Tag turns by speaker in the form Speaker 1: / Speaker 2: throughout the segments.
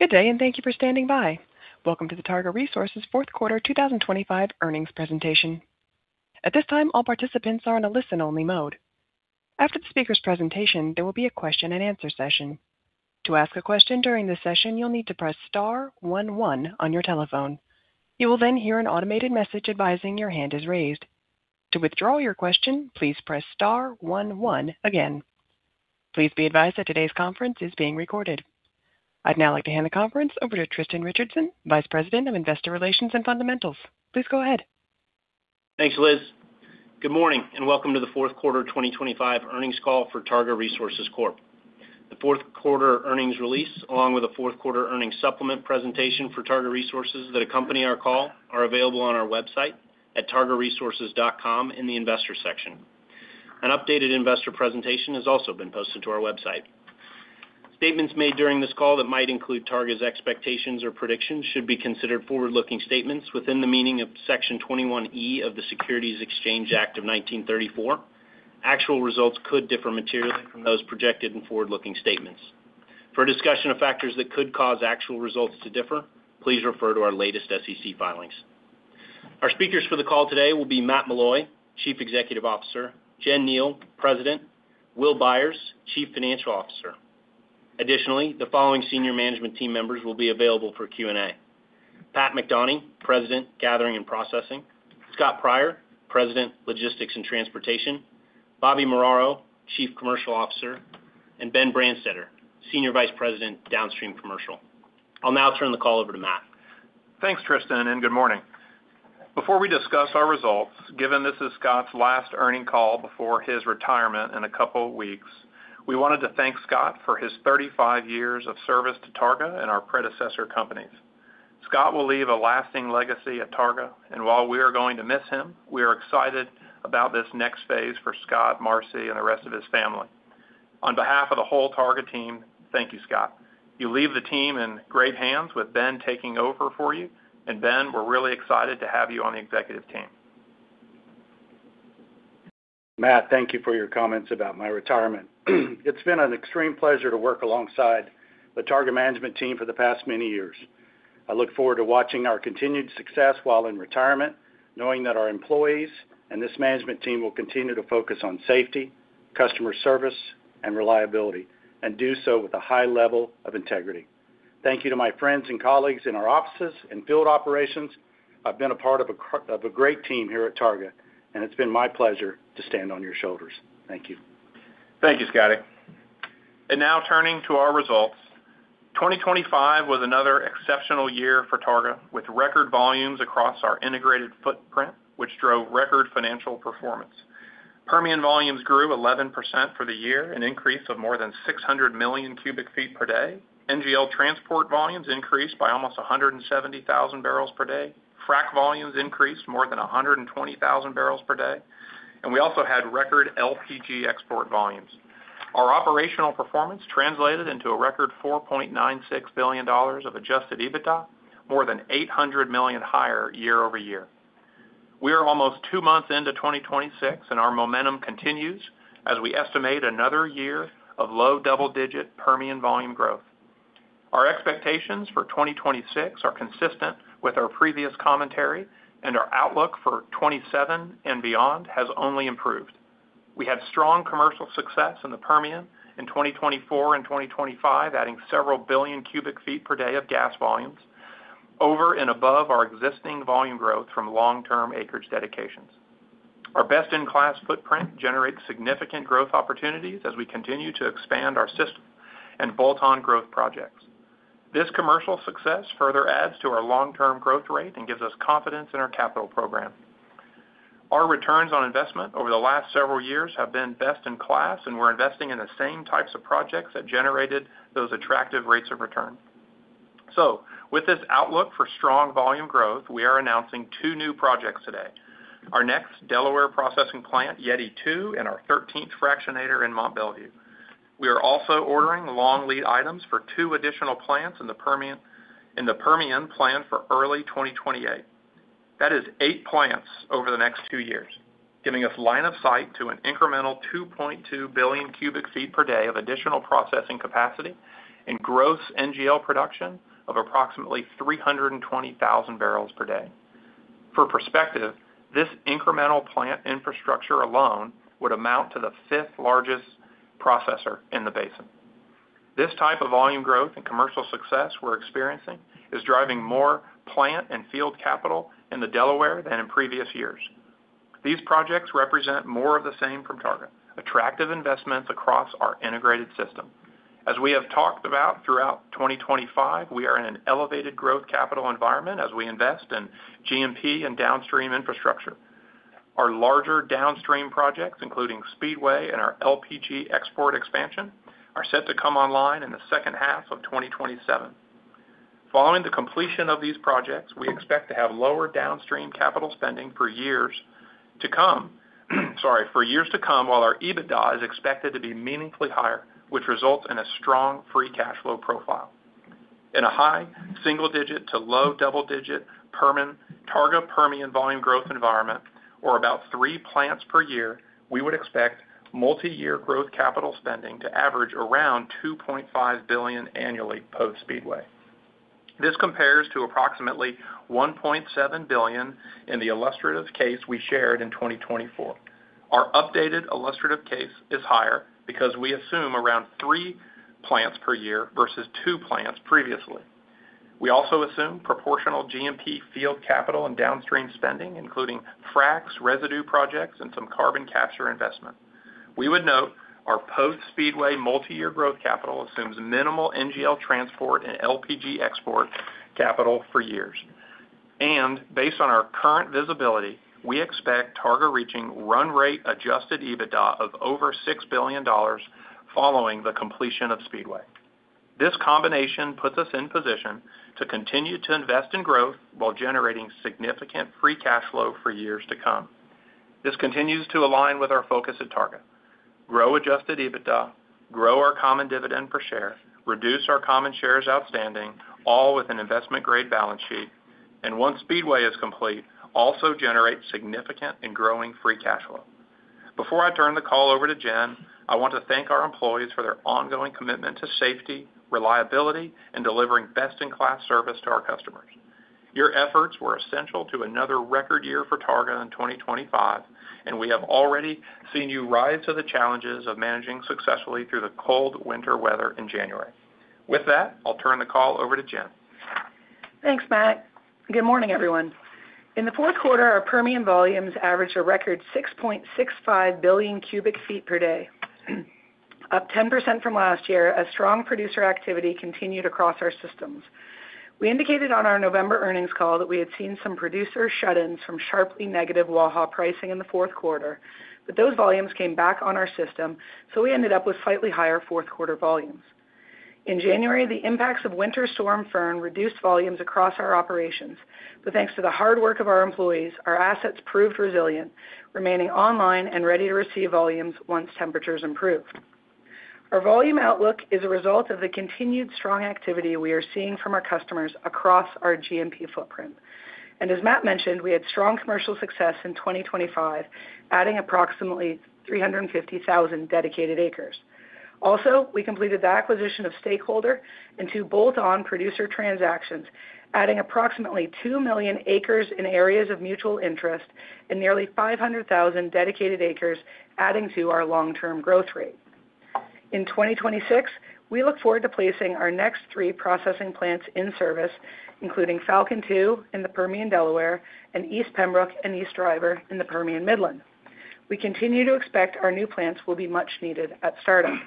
Speaker 1: Good day, and thank you for standing by. Welcome to the Targa Resources fourth quarter 2025 earnings presentation. At this time, all participants are in a listen-only mode. After the speaker's presentation, there will be a question-and-answer session. To ask a question during this session, you'll need to press star one one on your telephone. You will then hear an automated message advising your hand is raised. To withdraw your question, please press star one one again. Please be advised that today's conference is being recorded. I'd now like to hand the conference over to Tristan Richardson, Vice President of Investor Relations and Fundamentals. Please go ahead.
Speaker 2: Thanks, Liz. Good morning, and welcome to the fourth quarter 2025 earnings call for Targa Resources Corp. The fourth quarter earnings release, along with the fourth quarter earnings supplement presentation for Targa Resources that accompany our call, are available on our website at targaresources.com in the investor section. An updated investor presentation has also been posted to our website. Statements made during this call that might include Targa's expectations or predictions should be considered forward-looking statements within the meaning of Section 21E of the Securities Exchange Act of 1934. Actual results could differ materially from those projected in forward-looking statements. For a discussion of factors that could cause actual results to differ, please refer to our latest SEC filings. Our speakers for the call today will be Matthew Meloy, Chief Executive Officer; Jen Kneale, President; Will Byers, Chief Financial Officer. Additionally, the following senior management team members will be available for Q&A: Pat McDonie, President, Gathering and Processing, Scott Pryor, President, Logistics and Transportation, Bobby Muraro, Chief Commercial Officer, and Ben Branstetter, Senior Vice President, Downstream Commercial. I'll now turn the call over to Matt.
Speaker 3: Thanks, Tristan, and good morning. Before we discuss our results, given this is Scott's last earnings call before his retirement in a couple of weeks, we wanted to thank Scott for his 35 years of service to Targa and our predecessor companies. Scott will leave a lasting legacy at Targa, and while we are going to miss him, we are excited about this next phase for Scott, Marcy, and the rest of his family. On behalf of the whole Targa team, thank you, Scott. You leave the team in great hands with Ben taking over for you, and Ben, we're really excited to have you on the executive team.
Speaker 4: Matt, thank you for your comments about my retirement. It's been an extreme pleasure to work alongside the Targa management team for the past many years. I look forward to watching our continued success while in retirement, knowing that our employees and this management team will continue to focus on safety, customer service, and reliability, and do so with a high level of integrity. Thank you to my friends and colleagues in our offices and field operations. I've been a part of a great team here at Targa, and it's been my pleasure to stand on your shoulders. Thank you.
Speaker 3: Thank you, Scotty. Now turning to our results. 2025 was another exceptional year for Targa, with record volumes across our integrated footprint, which drove record financial performance. Permian volumes grew 11% for the year, an increase of more than 600 million cubic feet per day. NGL transport volumes increased by almost 170,000 barrels per day. Frac volumes increased more than 120,000 barrels per day, and we also had record LPG export volumes. Our operational performance translated into a record $4.96 billion of Adjusted EBITDA, more than $800 million higher year-over-year. We are almost 2 months into 2026, and our momentum continues as we estimate another year of low double-digit Permian volume growth. Our expectations for 2026 are consistent with our previous commentary, and our outlook for 2027 and beyond has only improved. We had strong commercial success in the Permian in 2024 and 2025, adding several billion cubic feet per day of gas volumes over and above our existing volume growth from long-term acreage dedications. Our best-in-class footprint generates significant growth opportunities as we continue to expand our system and bolt-on growth projects. This commercial success further adds to our long-term growth rate and gives us confidence in our capital program. Our returns on investment over the last several years have been best in class, and we're investing in the same types of projects that generated those attractive rates of return. So with this outlook for strong volume growth, we are announcing two new projects today. Our next Delaware processing plant, Yeti Two, and our thirteenth fractionator in Mont Belvieu. We are also ordering long lead items for 2 additional plants in the Permian, in the Permian planned for early 2028. That is 8 plants over the next 2 years, giving us line of sight to an incremental 2.2 billion cubic feet per day of additional processing capacity and gross NGL production of approximately 320,000 barrels per day. For perspective, this incremental plant infrastructure alone would amount to the 5th largest processor in the basin. This type of volume growth and commercial success we're experiencing is driving more plant and field capital in the Delaware than in previous years. These projects represent more of the same from Targa, attractive investments across our integrated system. As we have talked about throughout 2025, we are in an elevated growth capital environment as we invest in G&P and downstream infrastructure. Our larger downstream projects, including Speedway and our LPG export expansion, are set to come online in the second half of 2027. Following the completion of these projects, we expect to have lower downstream capital spending for years to come, sorry, for years to come, while our EBITDA is expected to be meaningfully higher, which results in a strong free cash flow profile. In a high single-digit to low double-digit Permian - Targa Permian volume growth environment... or about 3 plants per year, we would expect multi-year growth capital spending to average around $2.5 billion annually post Speedway. This compares to approximately $1.7 billion in the illustrative case we shared in 2024. Our updated illustrative case is higher because we assume around 3 plants per year versus 2 plants previously. We also assume proportional G&P field capital and downstream spending, including fracs, residue projects, and some carbon capture investment. We would note our post-Speedway multi-year growth capital assumes minimal NGL transport and LPG export capital for years. And based on our current visibility, we expect Targa reaching run rate Adjusted EBITDA of over $6 billion following the completion of Speedway. This combination puts us in position to continue to invest in growth while generating significant free cash flow for years to come. This continues to align with our focus at Targa: grow Adjusted EBITDA, grow our common dividend per share, reduce our common shares outstanding, all with an investment-grade balance sheet, and once Speedway is complete, also generate significant and growing free cash flow. Before I turn the call over to Jen, I want to thank our employees for their ongoing commitment to safety, reliability, and delivering best-in-class service to our customers. Your efforts were essential to another record year for Targa in 2025, and we have already seen you rise to the challenges of managing successfully through the cold winter weather in January. With that, I'll turn the call over to Jen.
Speaker 5: Thanks, Matt. Good morning, everyone. In the fourth quarter, our Permian volumes averaged a record 6.65 billion cubic feet per day, up 10% from last year, as strong producer activity continued across our systems. We indicated on our November earnings call that we had seen some producer shut-ins from sharply negative Waha pricing in the fourth quarter, but those volumes came back on our system, so we ended up with slightly higher fourth quarter volumes. In January, the impacts of Winter Storm Fern reduced volumes across our operations. But thanks to the hard work of our employees, our assets proved resilient, remaining online and ready to receive volumes once temperatures improved. Our volume outlook is a result of the continued strong activity we are seeing from our customers across our GMP footprint. As Matt mentioned, we had strong commercial success in 2025, adding approximately 350,000 dedicated acres. Also, we completed the acquisition of Stakeholder and two bolt-on producer transactions, adding approximately 2 million acres in areas of mutual interest and nearly 500,000 dedicated acres, adding to our long-term growth rate. In 2026, we look forward to placing our next 3 processing plants in service, including Falcon Two in the Permian Delaware and East Pembrook and East Driver in the Permian Midland. We continue to expect our new plants will be much needed at startup.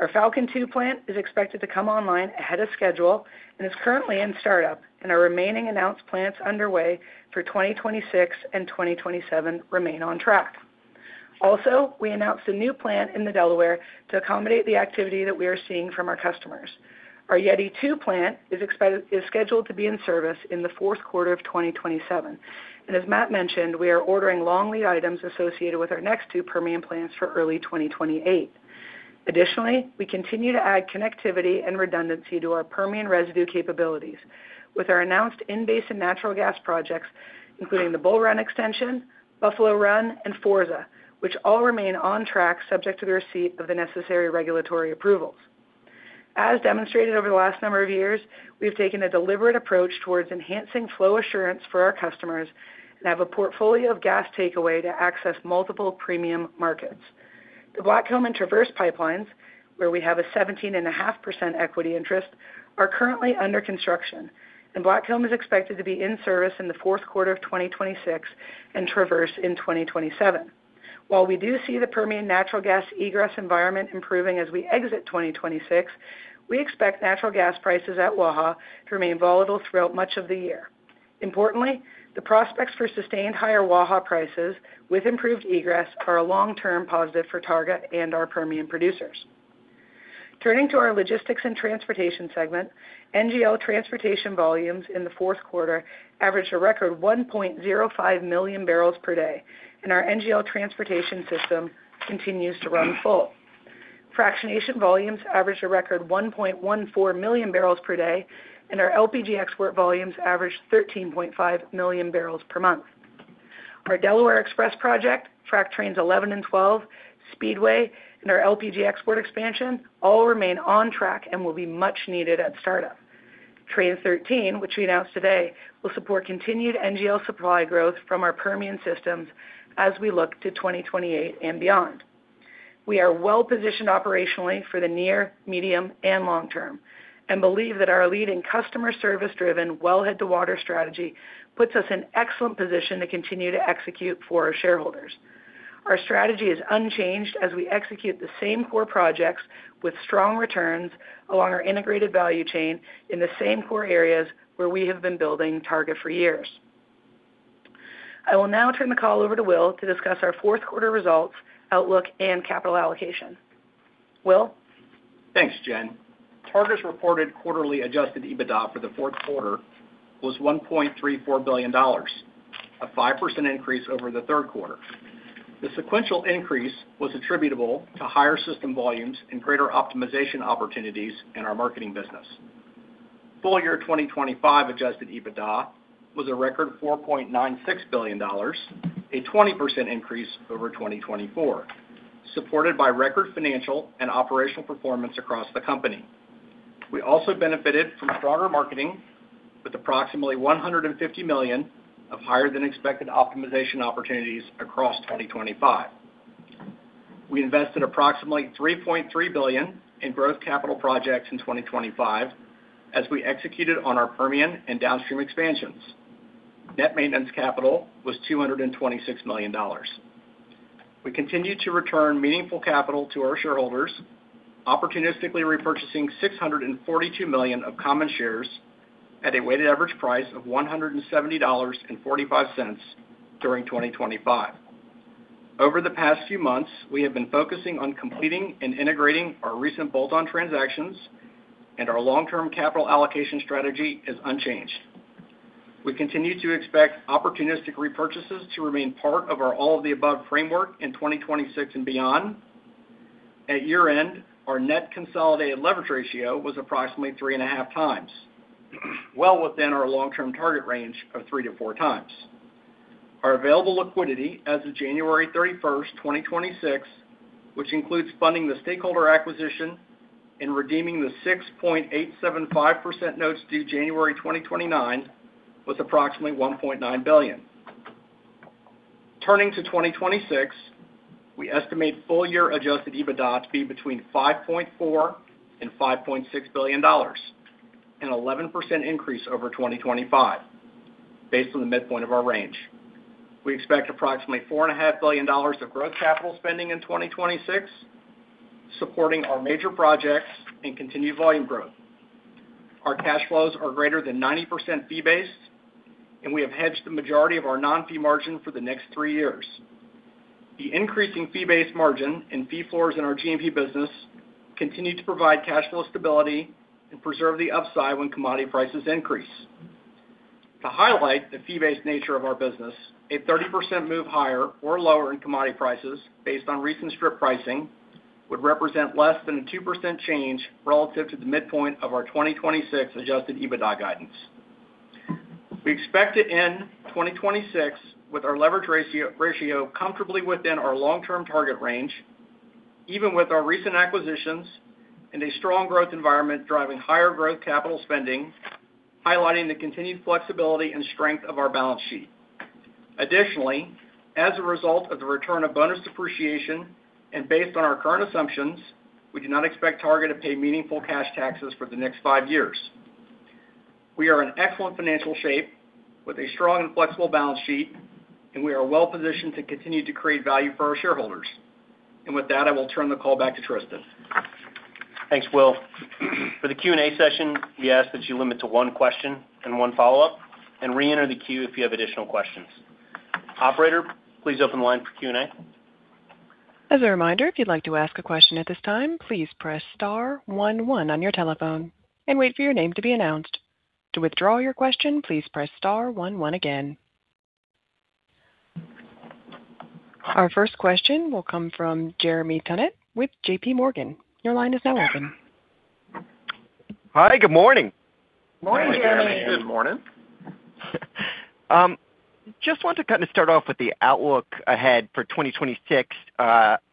Speaker 5: Our Falcon Two plant is expected to come online ahead of schedule and is currently in startup, and our remaining announced plants underway for 2026 and 2027 remain on track. Also, we announced a new plant in the Delaware to accommodate the activity that we are seeing from our customers. Our Yeti Two plant is scheduled to be in service in the fourth quarter of 2027, and as Matt mentioned, we are ordering long lead items associated with our next two Permian plants for early 2028. Additionally, we continue to add connectivity and redundancy to our Permian residue capabilities with our announced in-basin natural gas projects, including the Bull Run Extension, Buffalo Run, and Forza, which all remain on track, subject to the receipt of the necessary regulatory approvals. As demonstrated over the last number of years, we've taken a deliberate approach towards enhancing flow assurance for our customers and have a portfolio of gas takeaway to access multiple premium markets. The Blackcomb and Traverse pipelines, where we have a 17.5% equity interest, are currently under construction, and Blackcomb is expected to be in service in the fourth quarter of 2026 and Traverse in 2027. While we do see the Permian natural gas egress environment improving as we exit 2026, we expect natural gas prices at Waha to remain volatile throughout much of the year. Importantly, the prospects for sustained higher Waha prices with improved egress are a long-term positive for Targa and our Permian producers. Turning to our logistics and transportation segment, NGL transportation volumes in the fourth quarter averaged a record 1.05 million barrels per day, and our NGL transportation system continues to run full. Fractionation volumes averaged a record 1.14 million barrels per day, and our LPG export volumes averaged 13.5 million barrels per month. Our Delaware Express project, Frac Trains 11 and 12, Speedway, and our LPG export expansion all remain on track and will be much needed at startup. Train 13, which we announced today, will support continued NGL supply growth from our Permian systems as we look to 2028 and beyond. We are well positioned operationally for the near, medium, and long term and believe that our leading customer service-driven wellhead-to-water strategy puts us in excellent position to continue to execute for our shareholders. Our strategy is unchanged as we execute the same core projects with strong returns along our integrated value chain in the same core areas where we have been building Targa for years. I will now turn the call over to Will to discuss our fourth quarter results, outlook, and capital allocation. Will?
Speaker 6: Thanks, Jen. Targa's reported quarterly Adjusted EBITDA for the fourth quarter was $1.34 billion, a 5% increase over the third quarter. ...The sequential increase was attributable to higher system volumes and greater optimization opportunities in our marketing business. Full year 2025 Adjusted EBITDA was a record $4.96 billion, a 20% increase over 2024, supported by record financial and operational performance across the company. We also benefited from stronger marketing, with approximately $150 million of higher than expected optimization opportunities across 2025. We invested approximately $3.3 billion in growth capital projects in 2025 as we executed on our Permian and downstream expansions. Net maintenance capital was $226 million. We continued to return meaningful capital to our shareholders, opportunistically repurchasing $642 million of common shares at a weighted average price of $170.45 during 2025. Over the past few months, we have been focusing on completing and integrating our recent bolt-on transactions, and our long-term capital allocation strategy is unchanged. We continue to expect opportunistic repurchases to remain part of our all-of-the-above framework in 2026 and beyond. At year-end, our net consolidated leverage ratio was approximately 3.5 times, well within our long-term target range of 3-4 times. Our available liquidity as of January 31, 2026, which includes funding the Stakeholder acquisition and redeeming the 6.875% notes due January 2029, was approximately $1.9 billion. Turning to 2026, we estimate full year Adjusted EBITDA to be between $5.4-$5.6 billion, an 11% increase over 2025, based on the midpoint of our range. We expect approximately $4.5 billion of growth capital spending in 2026, supporting our major projects and continued volume growth. Our cash flows are greater than 90% fee-based, and we have hedged the majority of our non-fee margin for the next three years. The increasing fee-based margin and fee floors in our GMP business continue to provide cash flow stability and preserve the upside when commodity prices increase. To highlight the fee-based nature of our business, a 30% move higher or lower in commodity prices based on recent strip pricing, would represent less than a 2% change relative to the midpoint of our 2026 Adjusted EBITDA guidance. We expect to end 2026 with our leverage ratio comfortably within our long-term target range, even with our recent acquisitions and a strong growth environment driving higher growth capital spending, highlighting the continued flexibility and strength of our balance sheet. Additionally, as a result of the return of bonus depreciation and based on our current assumptions, we do not expect Targa to pay meaningful cash taxes for the next five years. We are in excellent financial shape with a strong and flexible balance sheet, and we are well-positioned to continue to create value for our shareholders. With that, I will turn the call back to Tristan.
Speaker 2: Thanks, Will. For the Q&A session, we ask that you limit to one question and one follow-up, and reenter the queue if you have additional questions. Operator, please open the line for Q&A.
Speaker 1: As a reminder, if you'd like to ask a question at this time, please press star one one on your telephone and wait for your name to be announced. To withdraw your question, please press star one one again. Our first question will come from Jeremy Tonet with JPMorgan. Your line is now open.
Speaker 7: Hi, good morning.
Speaker 6: Morning, Jeremy.
Speaker 3: Good morning.
Speaker 7: Just want to kind of start off with the outlook ahead for 2026.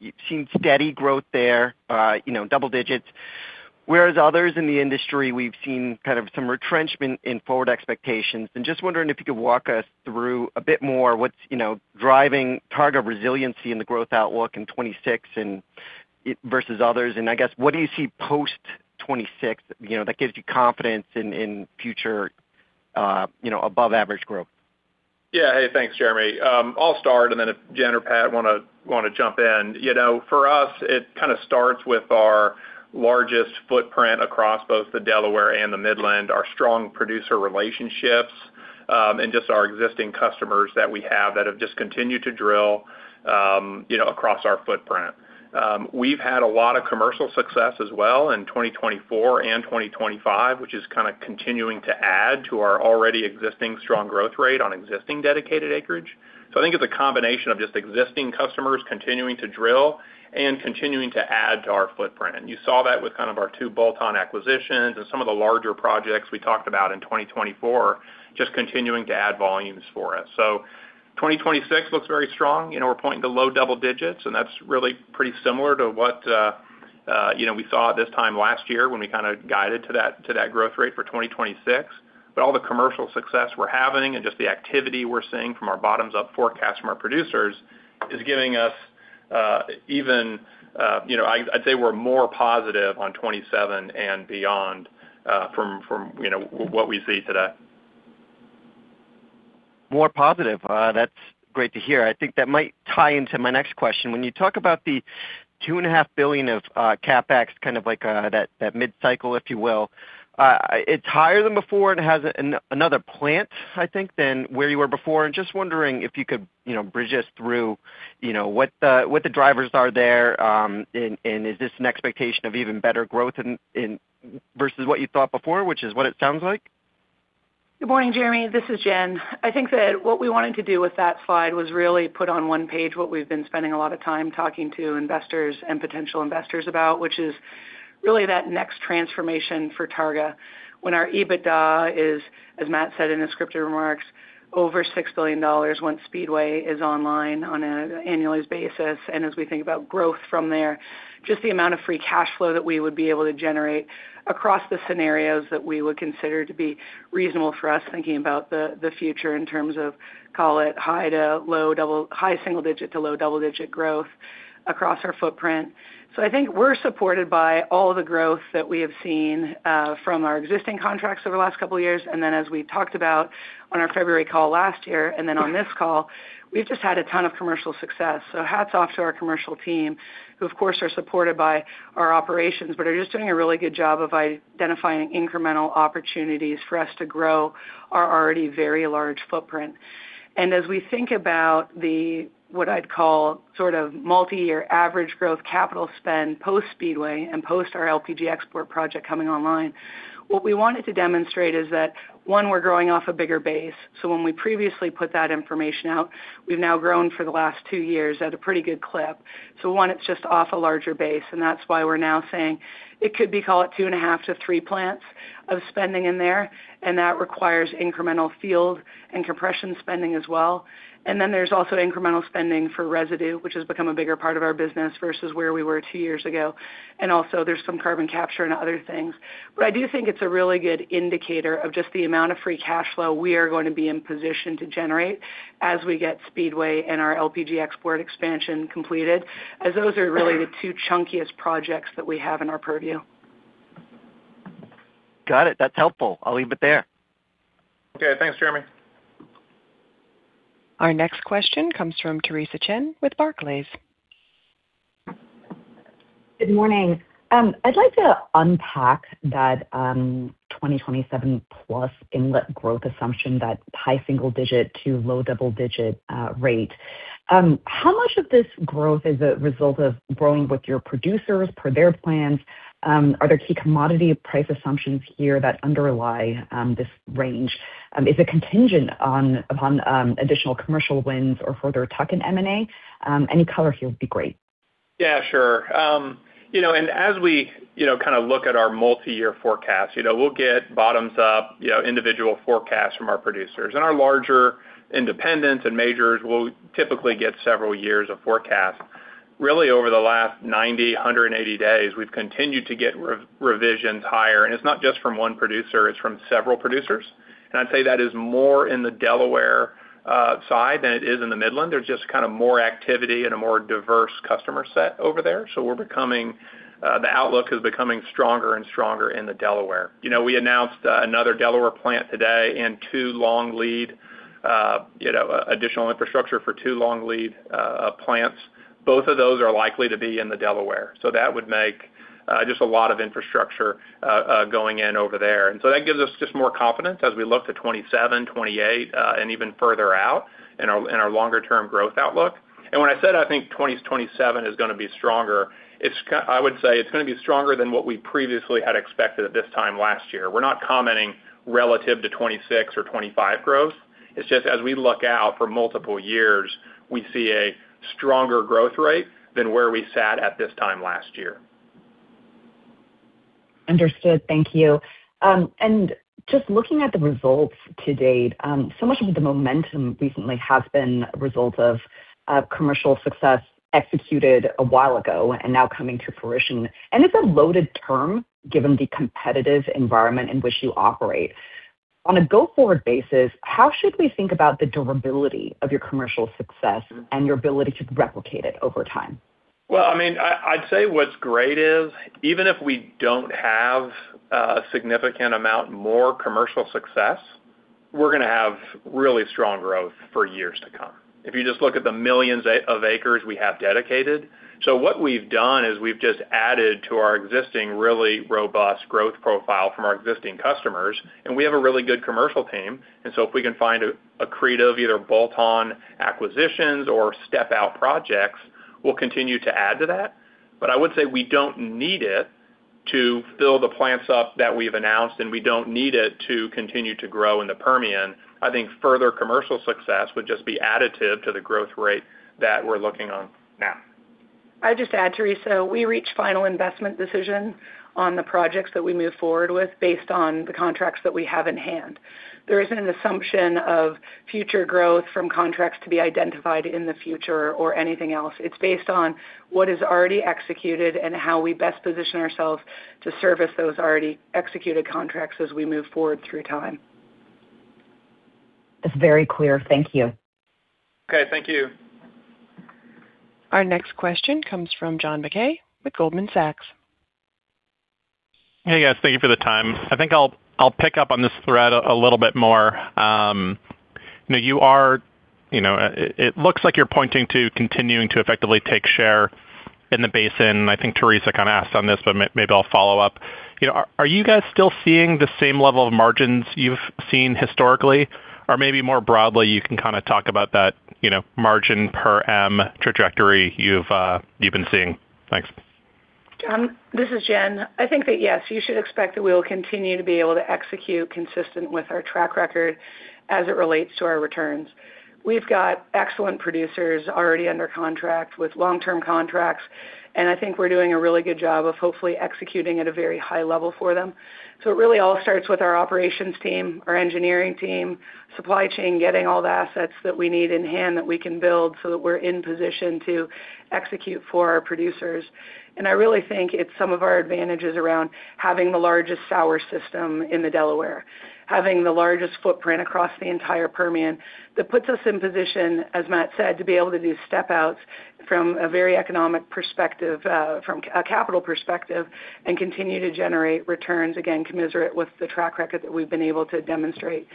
Speaker 7: You've seen steady growth there, you know, double digits, whereas others in the industry, we've seen kind of some retrenchment in forward expectations. And just wondering if you could walk us through a bit more what's, you know, driving Targa resiliency in the growth outlook in 2026 and versus others, and I guess, what do you see post 2026, you know, that gives you confidence in, in future, you know, above average growth?
Speaker 3: Yeah. Hey, thanks, Jeremy. I'll start, and then if Jen or Pat wanna jump in. You know, for us, it kind of starts with our largest footprint across both the Delaware and the Midland, our strong producer relationships, and just our existing customers that we have that have just continued to drill, you know, across our footprint. We've had a lot of commercial success as well in 2024 and 2025, which is kind of continuing to add to our already existing strong growth rate on existing dedicated acreage. So I think it's a combination of just existing customers continuing to drill and continuing to add to our footprint. You saw that with kind of our two bolt-on acquisitions and some of the larger projects we talked about in 2024, just continuing to add volumes for us. So 2026 looks very strong. You know, we're pointing to low double digits, and that's really pretty similar to what, you know, we saw at this time last year when we kind of guided to that, to that growth rate for 2026. But all the commercial success we're having and just the activity we're seeing from our bottoms-up forecast from our producers is giving us, even, you know, I'd, I'd say we're more positive on 2027 and beyond, from, from, you know, what we see today.
Speaker 7: More positive. That's great to hear. I think that might tie into my next question. When you talk about the $2.5 billion of CapEx, kind of like that mid-cycle, if you will, it's higher than before, and it has another plant, I think, than where you were before. Just wondering if you could, you know, bridge us through, you know, what the drivers are there, and is this an expectation of even better growth in versus what you thought before, which is what it sounds like?...
Speaker 5: Good morning, Jeremy. This is Jen. I think that what we wanted to do with that slide was really put on one page what we've been spending a lot of time talking to investors and potential investors about, which is really that next transformation for Targa. When our EBITDA is, as Matt said in his scripted remarks, over $6 billion once Speedway is online on an annualized basis, and as we think about growth from there, just the amount of free cash flow that we would be able to generate across the scenarios that we would consider to be reasonable for us, thinking about the, the future in terms of, call it, high to low, double-- high single-digit to low double-digit growth across our footprint. So I think we're supported by all the growth that we have seen from our existing contracts over the last couple of years. And then, as we talked about on our February call last year, and then on this call, we've just had a ton of commercial success. So hats off to our commercial team, who, of course, are supported by our operations, but are just doing a really good job of identifying incremental opportunities for us to grow our already very large footprint. And as we think about the, what I'd call, sort of, multi-year average growth capital spend, post Speedway and post our LPG export project coming online, what we wanted to demonstrate is that, one, we're growing off a bigger base. So when we previously put that information out, we've now grown for the last two years at a pretty good clip. So, one, it's just off a larger base, and that's why we're now saying it could be, call it, 2.5-3 plants of spending in there, and that requires incremental field and compression spending as well. And then there's also incremental spending for residue, which has become a bigger part of our business versus where we were 2 years ago. And also there's some carbon capture and other things. But I do think it's a really good indicator of just the amount of free cash flow we are going to be in position to generate as we get Speedway and our LPG export expansion completed, as those are really the two chunkiest projects that we have in our purview.
Speaker 7: Got it. That's helpful. I'll leave it there.
Speaker 3: Okay, thanks, Jeremy.
Speaker 1: Our next question comes from Theresa Chen with Barclays.
Speaker 8: Good morning. I'd like to unpack that, 2027 plus inlet growth assumption, that high single digit to low double digit rate. How much of this growth is a result of growing with your producers per their plans? Are there key commodity price assumptions here that underlie this range? Is it contingent upon additional commercial wins or further tuck in M&A? Any color here would be great.
Speaker 3: Yeah, sure. You know, and as we, you know, kind of look at our multi-year forecast, you know, we'll get bottoms up, you know, individual forecasts from our producers. And our larger independents and majors will typically get several years of forecast. Really, over the last 90, 100 and 180 days, we've continued to get revisions higher. And it's not just from one producer, it's from several producers. And I'd say that is more in the Delaware side than it is in the Midland. There's just kind of more activity and a more diverse customer set over there. So we're becoming the outlook is becoming stronger and stronger in the Delaware. You know, we announced another Delaware plant today and two long lead, you know, additional infrastructure for two long lead plants. Both of those are likely to be in the Delaware, so that would make just a lot of infrastructure going in over there. And so that gives us just more confidence as we look to 2027, 2028, and even further out in our longer term growth outlook. And when I said, I think 2027 is gonna be stronger, it's. I would say it's gonna be stronger than what we previously had expected at this time last year. We're not commenting relative to 2026 or 2025 growth. It's just as we look out for multiple years, we see a stronger growth rate than where we sat at this time last year.
Speaker 8: Understood. Thank you. And just looking at the results to date, so much of the momentum recently has been a result of commercial success executed a while ago and now coming to fruition, and it's a loaded term, given the competitive environment in which you operate. On a go-forward basis, how should we think about the durability of your commercial success and your ability to replicate it over time?
Speaker 3: Well, I mean, I'd say what's great is, even if we don't have a significant amount more commercial success, we're gonna have really strong growth for years to come. If you just look at the millions of acres we have dedicated. So what we've done is we've just added to our existing, really robust growth profile from our existing customers, and we have a really good commercial team. And so if we can find a creative, either bolt-on acquisitions or step out projects, we'll continue to add to that. But I would say we don't need it to fill the plants up that we've announced, and we don't need it to continue to grow in the Permian. I think further commercial success would just be additive to the growth rate that we're looking on now.
Speaker 5: I'd just add, Teresa, we reach final investment decision on the projects that we move forward with based on the contracts that we have in hand. There isn't an assumption of future growth from contracts to be identified in the future or anything else. It's based on what is already executed and how we best position ourselves to service those already executed contracts as we move forward through time.
Speaker 8: That's very clear. Thank you.
Speaker 3: Okay, thank you.
Speaker 1: Our next question comes from John Mackay with Goldman Sachs.
Speaker 9: Hey, guys. Thank you for the time. I think I'll pick up on this thread a little bit more. You know, you are, you know, it looks like you're pointing to continuing to effectively take share in the basin. I think Teresa kind of asked on this, but maybe I'll follow up. You know, are you guys still seeing the same level of margins you've seen historically? Or maybe more broadly, you can kind of talk about that, you know, margin per M trajectory you've been seeing. Thanks....
Speaker 5: This is Jen. I think that, yes, you should expect that we will continue to be able to execute consistent with our track record as it relates to our returns. We've got excellent producers already under contract with long-term contracts, and I think we're doing a really good job of hopefully executing at a very high level for them. So it really all starts with our operations team, our engineering team, supply chain, getting all the assets that we need in hand that we can build so that we're in position to execute for our producers. I really think it's some of our advantages around having the largest sour system in the Delaware, having the largest footprint across the entire Permian, that puts us in position, as Matt said, to be able to do step outs from a very economic perspective, from a capital perspective, and continue to generate returns, again, commensurate with the track record that we've been able to demonstrate.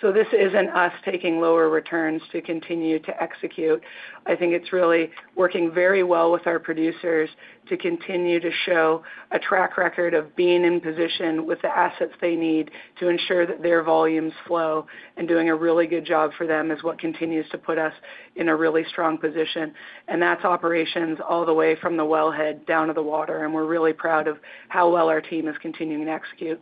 Speaker 5: So this isn't us taking lower returns to continue to execute. I think it's really working very well with our producers to continue to show a track record of being in position with the assets they need to ensure that their volumes flow, and doing a really good job for them is what continues to put us in a really strong position. That's operations all the way from the wellhead down to the water, and we're really proud of how well our team is continuing to execute.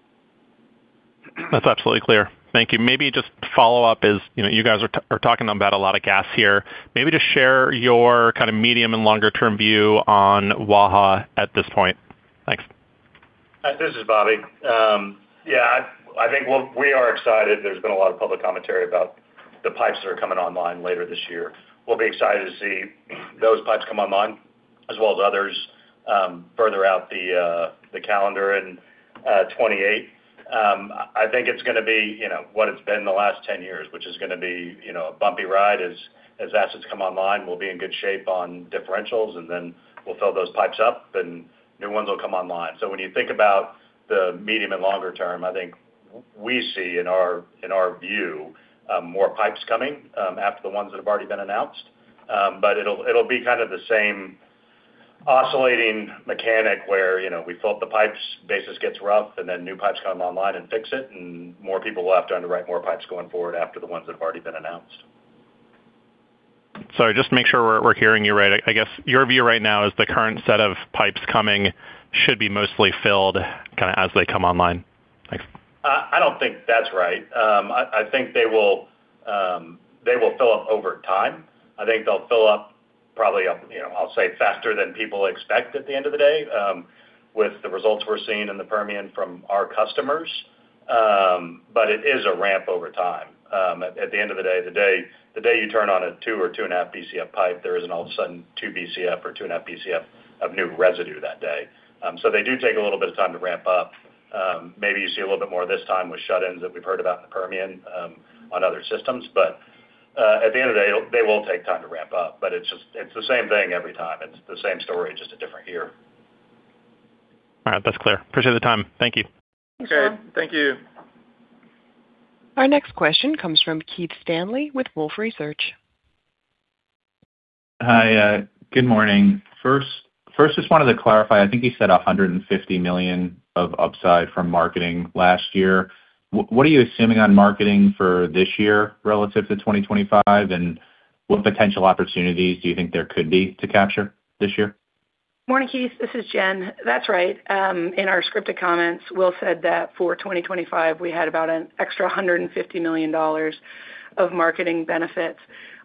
Speaker 9: That's absolutely clear. Thank you. Maybe just follow up is, you know, you guys are talking about a lot of gas here. Maybe just share your kind of medium and longer term view on Waha at this point. Thanks.
Speaker 10: This is Bobby. Yeah, I think we'll—we are excited. There's been a lot of public commentary about the pipes that are coming online later this year. We'll be excited to see those pipes come online, as well as others, further out the calendar in 2028. I think it's gonna be, you know, what it's been the last 10 years, which is gonna be, you know, a bumpy ride. As assets come online, we'll be in good shape on differentials, and then we'll fill those pipes up, and new ones will come online. So when you think about the medium and longer term, I think we see in our view more pipes coming after the ones that have already been announced. But it'll be kind of the same oscillating mechanic where, you know, we fill up the pipes, basis gets rough, and then new pipes come online and fix it, and more people will have to underwrite more pipes going forward after the ones that have already been announced.
Speaker 9: Sorry, just to make sure we're hearing you right. I guess your view right now is the current set of pipes coming should be mostly filled kind of as they come online. Thanks.
Speaker 10: I don't think that's right. I think they will fill up over time. I think they'll fill up probably up, you know, I'll say, faster than people expect at the end of the day, with the results we're seeing in the Permian from our customers. But it is a ramp over time. At the end of the day, the day you turn on a 2 or 2.5 Bcf pipe, there isn't all of a sudden 2 Bcf or 2.5 Bcf of new residue that day. So they do take a little bit of time to ramp up. Maybe you see a little bit more this time with shut-ins that we've heard about in the Permian, on other systems, but at the end of the day, they will take time to ramp up, but it's just... It's the same thing every time. It's the same story, just a different year.
Speaker 9: All right. That's clear. Appreciate the time. Thank you.
Speaker 10: Okay. Thank you.
Speaker 1: Our next question comes from Keith Stanley with Wolfe Research.
Speaker 11: Hi, good morning. Just wanted to clarify, I think you said $150 million of upside from marketing last year. What are you assuming on marketing for this year relative to 2025? And what potential opportunities do you think there could be to capture this year?
Speaker 5: Morning, Keith. This is Jen. That's right. In our scripted comments, Will said that for 2025, we had about an extra $150 million of marketing benefits.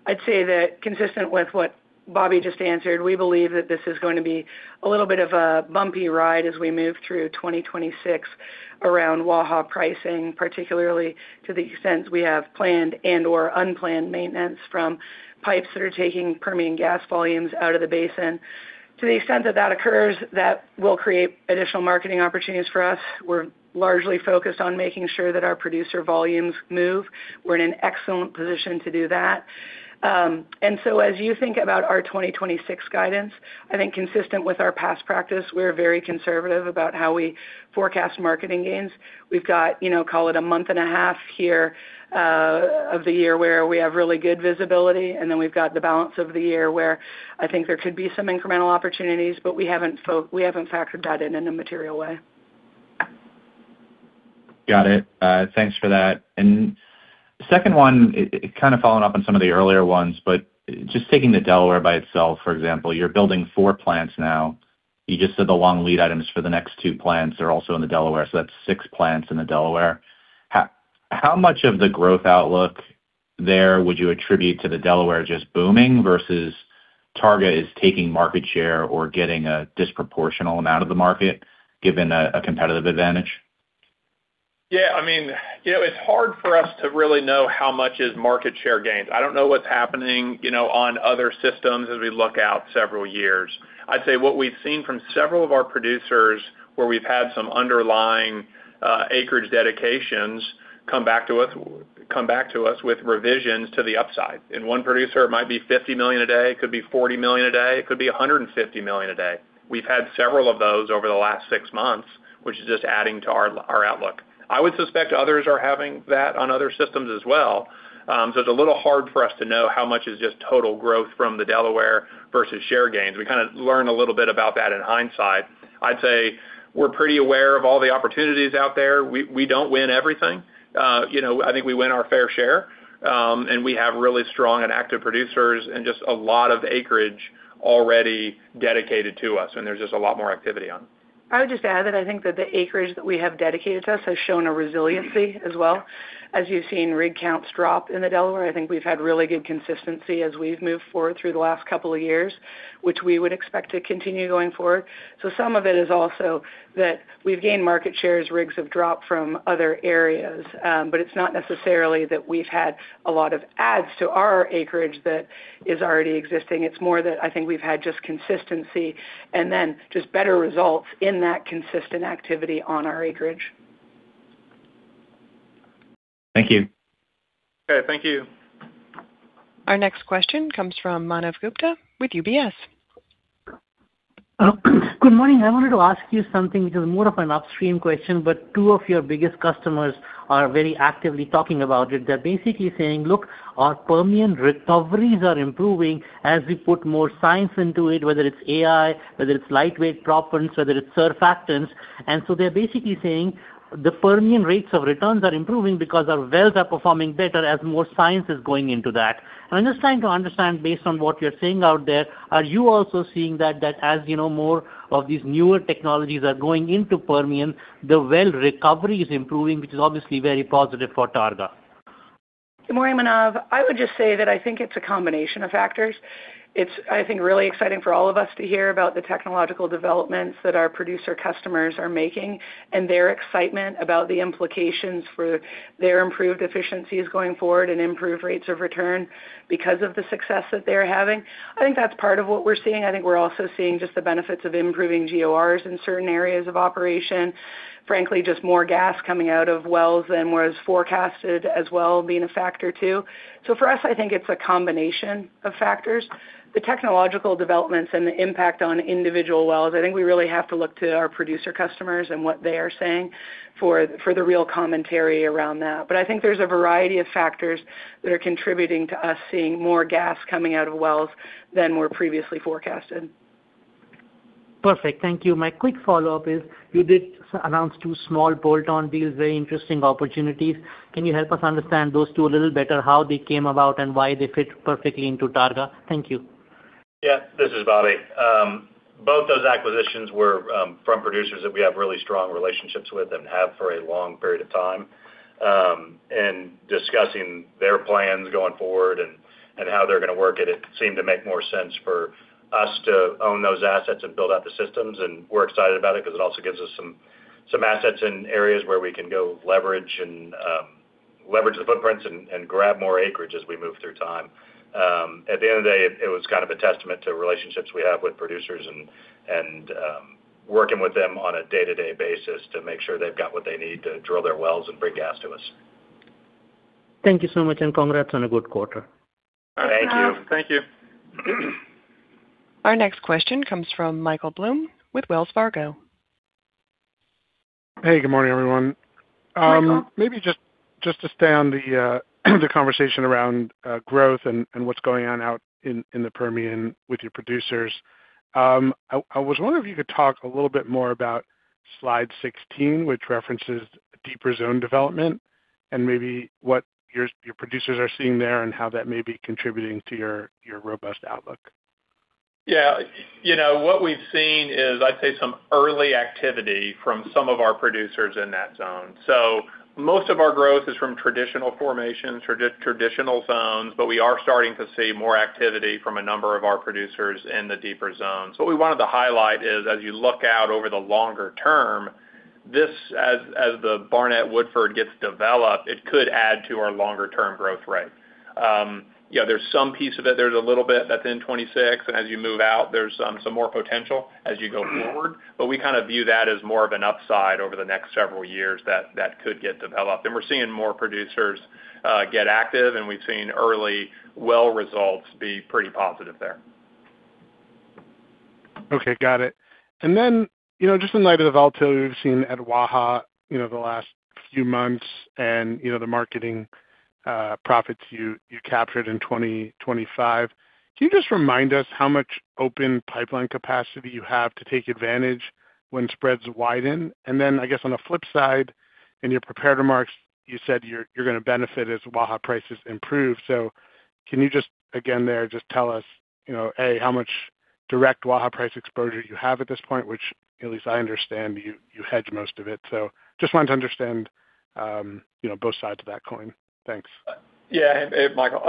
Speaker 5: I'd say that, consistent with what Bobby just answered, we believe that this is going to be a little bit of a bumpy ride as we move through 2026 around Waha pricing, particularly to the extent we have planned and/or unplanned maintenance from pipes that are taking Permian gas volumes out of the basin. To the extent that that occurs, that will create additional marketing opportunities for us. We're largely focused on making sure that our producer volumes move. We're in an excellent position to do that. And so as you think about our 2026 guidance, I think consistent with our past practice, we're very conservative about how we forecast marketing gains. We've got, you know, call it a month and a half here, of the year where we have really good visibility, and then we've got the balance of the year where I think there could be some incremental opportunities, but we haven't factored that in in a material way.
Speaker 11: Got it. Thanks for that. And second one, it kind of following up on some of the earlier ones, but just taking the Delaware by itself, for example, you're building four plants now. You just said the long lead items for the next two plants are also in the Delaware, so that's six plants in the Delaware. How much of the growth outlook there would you attribute to the Delaware just booming versus Targa is taking market share or getting a disproportional amount of the market, given a competitive advantage?
Speaker 10: Yeah, I mean, you know, it's hard for us to really know how much is market share gains. I don't know what's happening, you know, on other systems as we look out several years. I'd say what we've seen from several of our producers, where we've had some underlying acreage dedications come back to us, come back to us with revisions to the upside. In one producer, it might be 50 million a day, it could be 40 million a day, it could be 150 million a day. We've had several of those over the last six months, which is just adding to our, our outlook. I would suspect others are having that on other systems as well. So it's a little hard for us to know how much is just total growth from the Delaware versus share gains. We kinda learn a little bit about that in hindsight. I'd say-... We're pretty aware of all the opportunities out there. We, we don't win everything. You know, I think we win our fair share, and we have really strong and active producers and just a lot of acreage already dedicated to us, and there's just a lot more activity on.
Speaker 5: I would just add that I think that the acreage that we have dedicated to us has shown a resiliency as well. As you've seen rig counts drop in the Delaware, I think we've had really good consistency as we've moved forward through the last couple of years, which we would expect to continue going forward. So some of it is also that we've gained market shares, rigs have dropped from other areas, but it's not necessarily that we've had a lot of adds to our acreage that is already existing. It's more that I think we've had just consistency and then just better results in that consistent activity on our acreage.
Speaker 11: Thank you.
Speaker 3: Okay, thank you.
Speaker 1: Our next question comes from Manav Gupta with UBS.
Speaker 12: Good morning. I wanted to ask you something, which is more of an upstream question, but two of your biggest customers are very actively talking about it. They're basically saying, "Look, our Permian recoveries are improving as we put more science into it, whether it's AI, whether it's lightweight proppants, whether it's surfactants." And so they're basically saying the Permian rates of returns are improving because our wells are performing better as more science is going into that. I'm just trying to understand, based on what you're seeing out there, are you also seeing that, that as you know more of these newer technologies are going into Permian, the well recovery is improving, which is obviously very positive for Targa?
Speaker 5: Good morning, Manav. I would just say that I think it's a combination of factors. It's, I think, really exciting for all of us to hear about the technological developments that our producer customers are making and their excitement about the implications for their improved efficiencies going forward and improved rates of return because of the success that they're having. I think that's part of what we're seeing. I think we're also seeing just the benefits of improving GORs in certain areas of operation. Frankly, just more gas coming out of wells than was forecasted as well, being a factor, too. So for us, I think it's a combination of factors. The technological developments and the impact on individual wells, I think we really have to look to our producer customers and what they are saying for the real commentary around that. I think there's a variety of factors that are contributing to us seeing more gas coming out of wells than were previously forecasted.
Speaker 12: Perfect. Thank you. My quick follow-up is, you did announce 2 small bolt-on deals, very interesting opportunities. Can you help us understand those 2 a little better, how they came about and why they fit perfectly into Targa? Thank you.
Speaker 10: Yeah, this is Bobby. Both those acquisitions were from producers that we have really strong relationships with and have for a long period of time. And discussing their plans going forward and how they're going to work it, it seemed to make more sense for us to own those assets and build out the systems, and we're excited about it because it also gives us some assets in areas where we can go leverage and leverage the footprints and grab more acreage as we move through time. At the end of the day, it was kind of a testament to relationships we have with producers and working with them on a day-to-day basis to make sure they've got what they need to drill their wells and bring gas to us.
Speaker 12: Thank you so much, and congrats on a good quarter.
Speaker 3: Thank you.
Speaker 5: Thank you.
Speaker 1: Our next question comes from Michael Blum with Wells Fargo.
Speaker 13: Hey, good morning, everyone.
Speaker 1: Michael.
Speaker 13: Maybe just, just to stay on the, the conversation around, growth and, and what's going on out in, in the Permian with your producers. I, I was wondering if you could talk a little bit more about slide 16, which references deeper zone development and maybe what your, your producers are seeing there and how that may be contributing to your, your robust outlook.
Speaker 3: Yeah, you know, what we've seen is, I'd say, some early activity from some of our producers in that zone. So most of our growth is from traditional formations, traditional zones, but we are starting to see more activity from a number of our producers in the deeper zones. What we wanted to highlight is, as you look out over the longer term, this as the Barnett Woodford gets developed, it could add to our longer-term growth rate. Yeah, there's some piece of it. There's a little bit that's in 2026, and as you move out, there's some more potential as you go forward. But we kind of view that as more of an upside over the next several years that could get developed. And we're seeing more producers get active, and we've seen early well results be pretty positive there.
Speaker 13: Okay, got it. And then, you know, just in light of the volatility we've seen at Waha, you know, the last few months and, you know, the marketing profits you captured in 2025. Can you just remind us how much open pipeline capacity you have to take advantage when spreads widen? And then, I guess on the flip side, in your prepared remarks, you said you're going to benefit as Waha prices improve. So can you just, again, there, just tell us, you know, A, how much direct Waha price exposure you have at this point, which at least I understand you hedge most of it. So just wanted to understand, you know, both sides of that coin. Thanks.
Speaker 3: Yeah, hey Michael,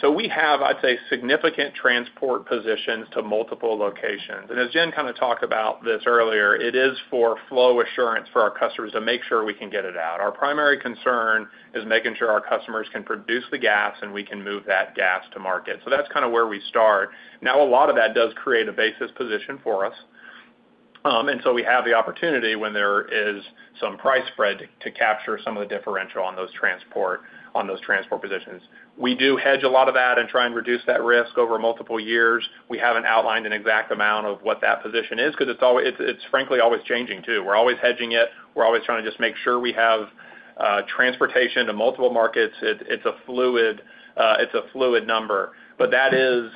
Speaker 3: so we have, I'd say, significant transport positions to multiple locations. And as Jen kind of talked about this earlier, it is for flow assurance for our customers to make sure we can get it out. Our primary concern is making sure our customers can produce the gas, and we can move that gas to market. So that's kind of where we start. Now, a lot of that does create a basis position for us. And so we have the opportunity when there is some price spread, to capture some of the differential on those transport positions. We do hedge a lot of that and try and reduce that risk over multiple years. We haven't outlined an exact amount of what that position is because it's frankly always changing, too. We're always hedging it. We're always trying to just make sure we have transportation to multiple markets. It's a fluid number, but that is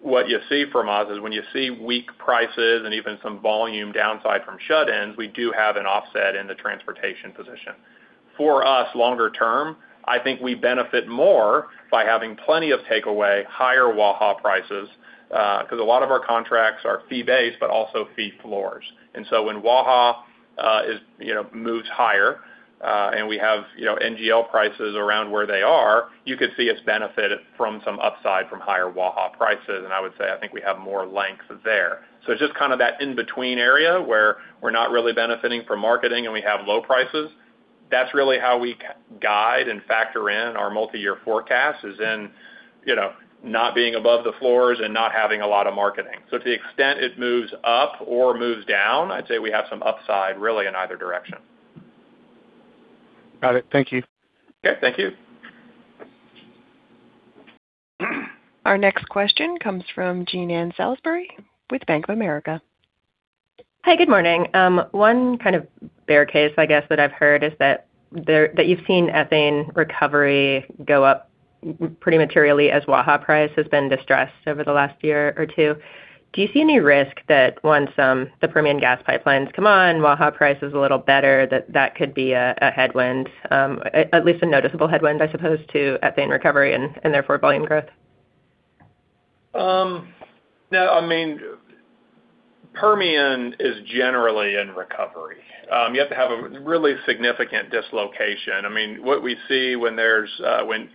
Speaker 3: what you see from us is when you see weak prices and even some volume downside from shut-ins, we do have an offset in the transportation position. For us, longer term, I think we benefit more by having plenty of takeaway, higher Waha prices, because a lot of our contracts are fee-based, but also fee floors. And so when Waha is, you know, moves higher, and we have, you know, NGL prices around where they are, you could see us benefit from some upside from higher Waha prices. And I would say, I think we have more length there. Just kind of that in-between area where we're not really benefiting from marketing and we have low prices, that's really how we guide and factor in our multi-year forecast, is in, you know, not being above the floors and not having a lot of marketing. To the extent it moves up or moves down, I'd say we have some upside, really, in either direction.
Speaker 13: Got it. Thank you.
Speaker 3: Okay, thank you.
Speaker 1: Our next question comes from Jean Ann Salisbury with Bank of America.
Speaker 14: Hi, good morning. One kind of bear case, I guess, that I've heard is that you've seen ethane recovery go up pretty materially as Waha price has been distressed over the last year or two. Do you see any risk that once the Permian gas pipelines come on, Waha price is a little better, that that could be a headwind, at least a noticeable headwind, I suppose, to ethane recovery and therefore volume growth?
Speaker 3: No, I mean, Permian is generally in recovery. You have to have a really significant dislocation. I mean, what we see when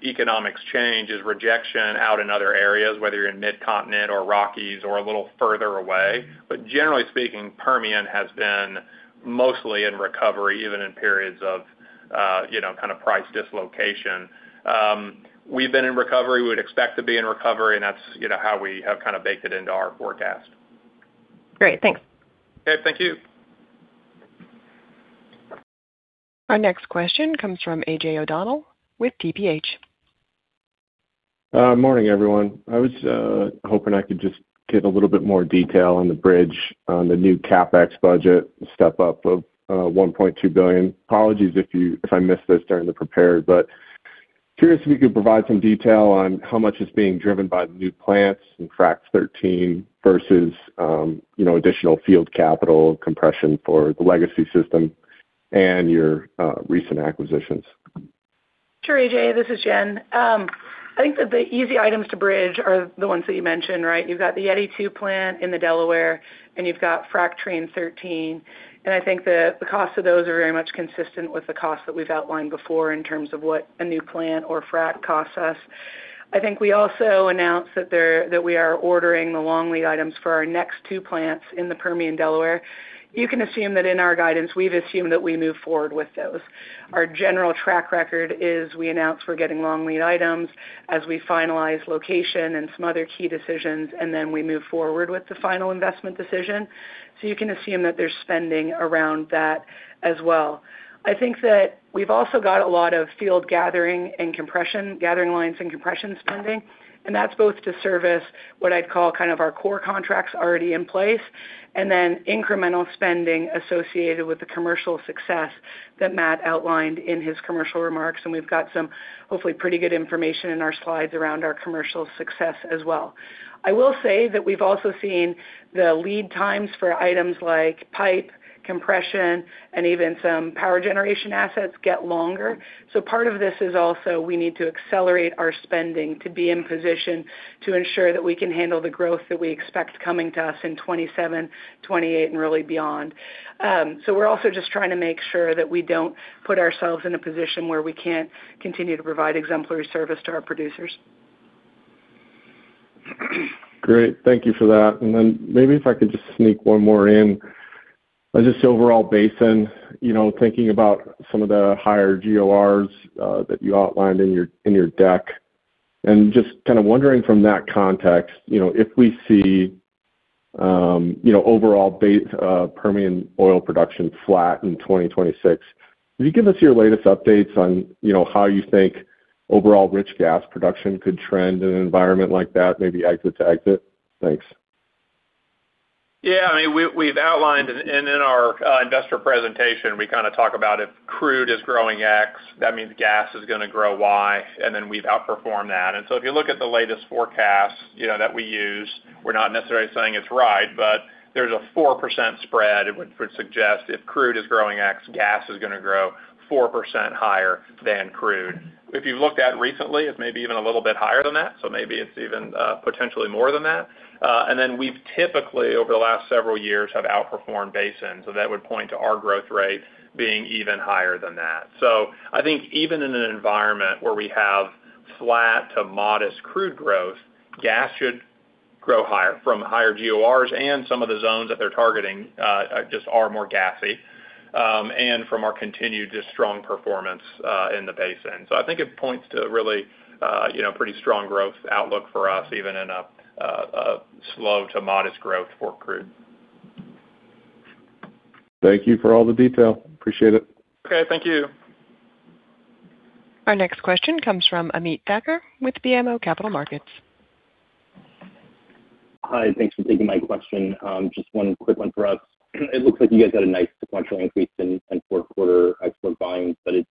Speaker 3: economics change is rejection out in other areas, whether you're in Mid-Continent or Rockies or a little further away. But generally speaking, Permian has been mostly in recovery, even in periods of, you know, kind of price dislocation. We've been in recovery, we'd expect to be in recovery, and that's, you know, how we have kind of baked it into our forecast.
Speaker 14: Great. Thanks.
Speaker 3: Okay. Thank you.
Speaker 1: Our next question comes from AJ O'Donnell with TPH.
Speaker 15: Morning, everyone. I was hoping I could just get a little bit more detail on the bridge on the new CapEx budget, the step up of $1.2 billion. Apologies if you-- if I missed this during the prepared, but curious if you could provide some detail on how much is being driven by the new plants and Frac Thirteen versus, you know, additional field capital compression for the legacy system and your recent acquisitions.
Speaker 5: Sure, AJ, this is Jen. I think that the easy items to bridge are the ones that you mentioned, right? You've got the Yeti Two plant in the Delaware, and you've got Frac Train Thirteen, and I think the cost of those are very much consistent with the costs that we've outlined before in terms of what a new plant or frac costs us. I think we also announced that we are ordering the long lead items for our next two plants in the Permian Delaware. You can assume that in our guidance, we've assumed that we move forward with those. Our general track record is we announce we're getting long lead items as we finalize location and some other key decisions, and then we move forward with the final investment decision. So you can assume that there's spending around that as well. I think that we've also got a lot of field gathering and compression, gathering lines and compression spending, and that's both to service what I'd call kind of our core contracts already in place, and then incremental spending associated with the commercial success that Matt outlined in his commercial remarks, and we've got some hopefully pretty good information in our slides around our commercial success as well. I will say that we've also seen the lead times for items like pipe, compression, and even some power generation assets get longer. So part of this is also we need to accelerate our spending to be in position to ensure that we can handle the growth that we expect coming to us in 2027, 2028, and really beyond. We're also just trying to make sure that we don't put ourselves in a position where we can't continue to provide exemplary service to our producers.
Speaker 15: Great. Thank you for that. And then maybe if I could just sneak one more in. Just overall basin, you know, thinking about some of the higher GORs that you outlined in your deck, and just kind of wondering from that context, you know, if we see, you know, overall basin Permian oil production flat in 2026, can you give us your latest updates on, you know, how you think overall rich gas production could trend in an environment like that, maybe exit to exit? Thanks.
Speaker 3: Yeah, I mean, we've outlined, and in our investor presentation, we kind of talk about if crude is growing X, that means gas is going to grow Y, and then we've outperformed that. And so if you look at the latest forecast, you know, that we use, we're not necessarily saying it's right, but there's a 4% spread. It would suggest if crude is growing X, gas is going to grow 4% higher than crude. If you've looked at recently, it's maybe even a little bit higher than that, so maybe it's even potentially more than that. And then we've typically, over the last several years, have outperformed basin, so that would point to our growth rate being even higher than that. So I think even in an environment where we have flat to modest crude growth, gas should grow higher from higher GORs and some of the zones that they're targeting, just are more gassy, and from our continued just strong performance, in the basin. So I think it points to really, you know, pretty strong growth outlook for us, even in a slow to modest growth for crude.
Speaker 15: Thank you for all the detail. Appreciate it.
Speaker 3: Okay. Thank you.
Speaker 1: Our next question comes from Amit Thakker with BMO Capital Markets.
Speaker 16: Hi, thanks for taking my question. Just one quick one for us. It looks like you guys had a nice sequential increase in fourth quarter export volumes, but it's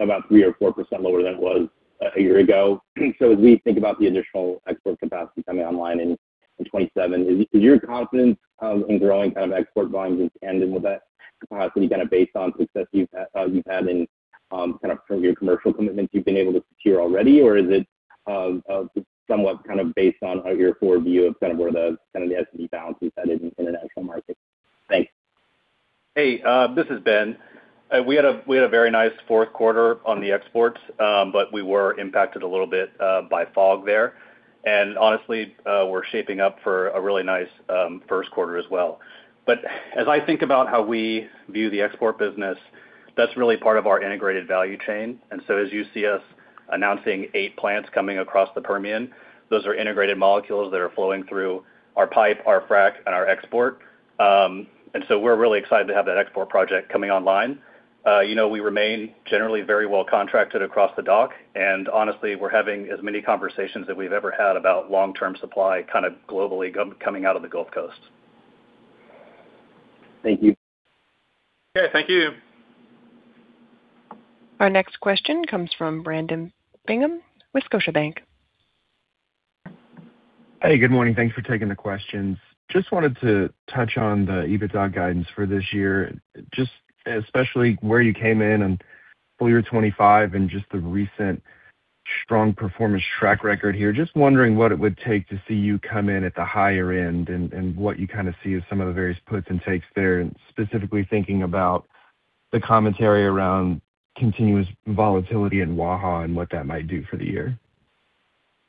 Speaker 16: about 3% or 4% lower than it was a year ago. So as we think about the additional export capacity coming online in 2027, is your confidence in growing kind of export volumes in tandem with that capacity kind of based on success you've had from your commercial commitments you've been able to secure already? Or is it somewhat kind of based on your forward view of kind of where the supply balance is headed in the national market? Thanks.
Speaker 17: Hey, this is Ben. We had a very nice fourth quarter on the exports, but we were impacted a little bit by fog there. And honestly, we're shaping up for a really nice first quarter as well. But as I think about how we view the export business, that's really part of our integrated value chain. And so as you see us announcing eight plants coming across the Permian, those are integrated molecules that are flowing through our pipe, our frac, and our export. And so we're really excited to have that export project coming online. You know, we remain generally very well contracted across the dock, and honestly, we're having as many conversations that we've ever had about long-term supply, kind of globally coming out of the Gulf Coast.
Speaker 16: Thank you.
Speaker 10: Okay, thank you.
Speaker 1: Our next question comes from Brandon Bingham with Scotiabank.
Speaker 18: Hey, good morning. Thanks for taking the questions. Just wanted to touch on the EBITDA guidance for this year. Just especially where you came in in full year 2025 and just the recent strong performance track record here. Just wondering what it would take to see you come in at the higher end and what you kind of see as some of the various puts and takes there, and specifically thinking about the commentary around continuous volatility in Waha and what that might do for the year.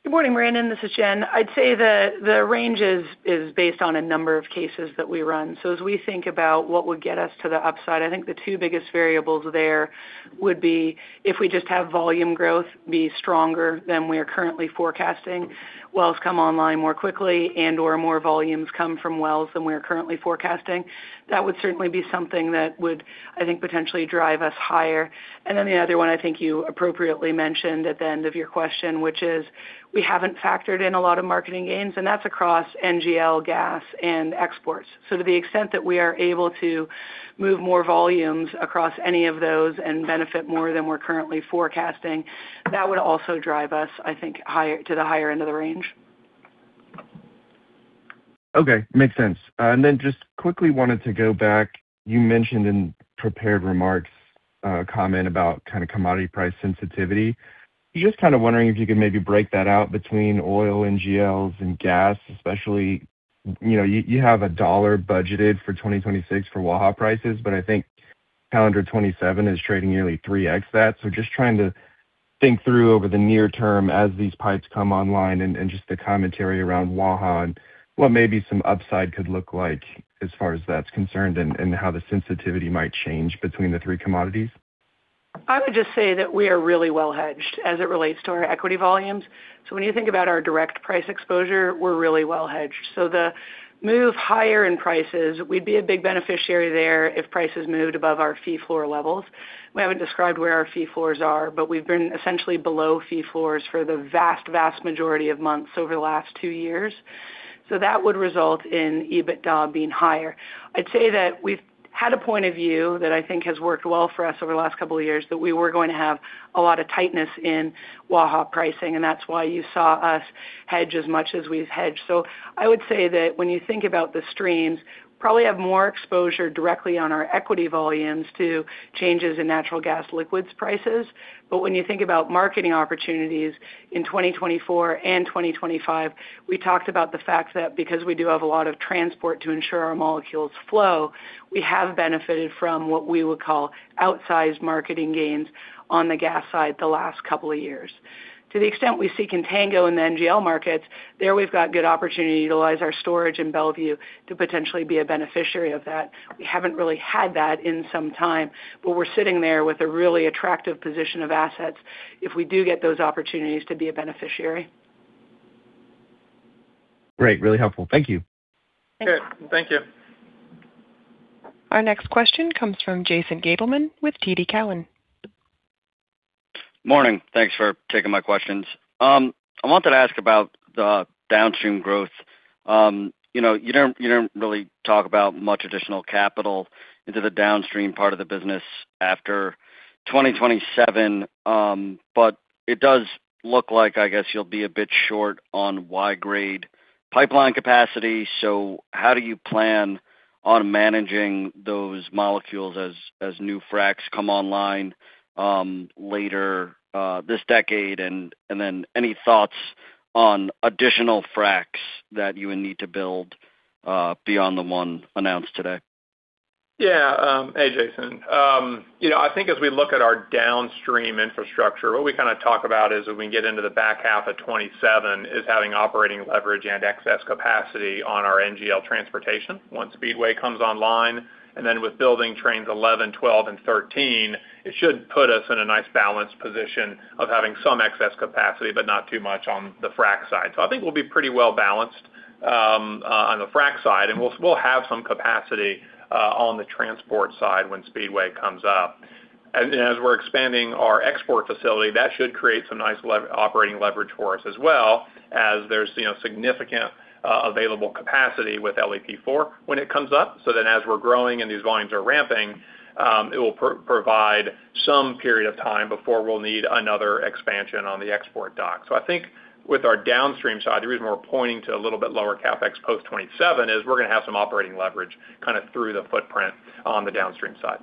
Speaker 5: Good morning, Brandon. This is Jen. I'd say that the range is based on a number of cases that we run. So as we think about what would get us to the upside, I think the two biggest variables there would be if we just have volume growth be stronger than we are currently forecasting, wells come online more quickly and/or more volumes come from wells than we are currently forecasting. That would certainly be something that would, I think, potentially drive us higher. And then the other one, I think you appropriately mentioned at the end of your question, which is we haven't factored in a lot of marketing gains, and that's across NGL gas and exports. So to the extent that we are able to move more volumes across any of those and benefit more than we're currently forecasting, that would also drive us, I think, higher, to the higher end of the range.
Speaker 18: Okay, makes sense. And then just quickly wanted to go back. You mentioned in prepared remarks, a comment about kind of commodity price sensitivity. Just kind of wondering if you could maybe break that out between oil and NGLs and gas, especially, you know, you have a dollar budgeted for 2026 for Waha prices, but I think calendar 2027 is trading nearly 3x that. So just trying to think through over the near term as these pipes come online and, and just the commentary around Waha and what maybe some upside could look like as far as that's concerned, and, and how the sensitivity might change between the three commodities.
Speaker 5: I would just say that we are really well hedged as it relates to our equity volumes. So when you think about our direct price exposure, we're really well hedged. So the move higher in prices, we'd be a big beneficiary there if prices moved above our Fee Floor levels. We haven't described where our Fee Floors are, but we've been essentially below Fee Floors for the vast, vast majority of months over the last two years. So that would result in EBITDA being higher. I'd say that we've had a point of view that I think has worked well for us over the last couple of years, that we were going to have a lot of tightness in Waha pricing, and that's why you saw us hedge as much as we've hedged. So I would say that when you think about the streams, probably have more exposure directly on our equity volumes to changes in natural gas liquids prices. But when you think about marketing opportunities in 2024 and 2025, we talked about the fact that because we do have a lot of transport to ensure our molecules flow, we have benefited from what we would call outsized marketing gains on the gas side the last couple of years. To the extent we see contango in the NGL markets, there we've got good opportunity to utilize our storage in Mont Belvieu to potentially be a beneficiary of that. We haven't really had that in some time, but we're sitting there with a really attractive position of assets if we do get those opportunities to be a beneficiary.
Speaker 18: Great. Really helpful. Thank you.
Speaker 5: Thanks.
Speaker 10: Okay. Thank you.
Speaker 1: Our next question comes from Jason Gabelman with TD Cowen.
Speaker 19: Morning. Thanks for taking my questions. I wanted to ask about the downstream growth. You know, you don't, you don't really talk about much additional capital into the downstream part of the business after 2027, but it does look like, I guess, you'll be a bit short on Y-grade pipeline capacity. So how do you plan on managing those molecules as new fracs come online, later, this decade? And then any thoughts on additional fracs that you would need to build, beyond the one announced today?
Speaker 10: Yeah. Hey, Jason. You know, I think as we look at our downstream infrastructure, what we kind of talk about is, when we get into the back half of 2027, is having operating leverage and excess capacity on our NGL transportation once Speedway comes online, and then with building trains 11, 12, and 13, it should put us in a nice, balanced position of having some excess capacity, but not too much on the frac side. So I think we'll be pretty well balanced on the frac side, and we'll have some capacity on the transport side when Speedway comes up. And as we're expanding our export facility, that should create some nice operating leverage for us as well, as there's, you know, significant available capacity with LPG 4 when it comes up. As we're growing and these volumes are ramping, it will provide some period of time before we'll need another expansion on the export dock. So I think with our downstream side, the reason we're pointing to a little bit lower CapEx post 2027 is we're gonna have some operating leverage kind of through the footprint on the downstream side.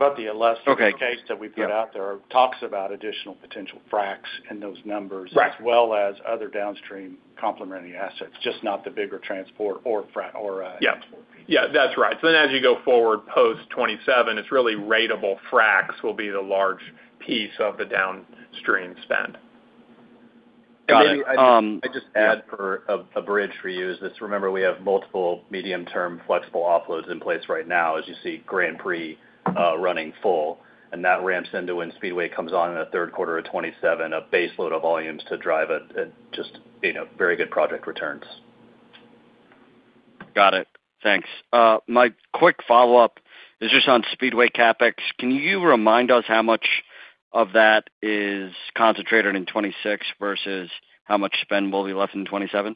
Speaker 17: But the elastic-
Speaker 3: Okay.
Speaker 17: case that we put out there talks about additional potential fracs and those numbers.
Speaker 3: Right.
Speaker 17: -as well as other downstream complementary assets, just not the bigger transport or frac or export.
Speaker 3: Yeah. Yeah, that's right. So then as you go forward, post 2027, it's really ratable fracs will be the large piece of the downstream spend.
Speaker 19: Got it,
Speaker 20: I'd just add for a bridge for you is this: remember, we have multiple medium-term flexible offloads in place right now, as you see Grand Prix running full, and that ramps into when Speedway comes on in the third quarter of 2027, a base load of volumes to drive it at just, you know, very good project returns.
Speaker 19: Got it. Thanks. My quick follow-up is just on Speedway CapEx. Can you remind us how much of that is concentrated in 2026 versus how much spend will be left in 2027?